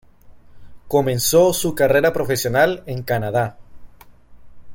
Comenzó su carrera profesional en Canadá.